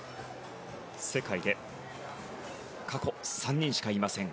世界で過去３人しかいません